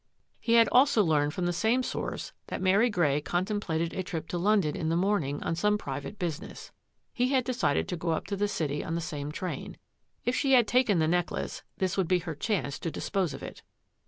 He had also learned from the same source that Mary Grey contemplated a trip to London in the morning on some private business. He had de cided to go up to the city on the same train. If she had taken the necklace, this would be her chance to dispose of it.